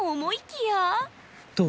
どう？